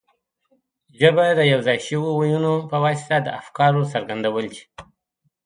ژبه د یو ځای شویو وییونو په واسطه د افکارو څرګندول دي.